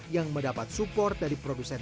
yang mendapat support dari produsen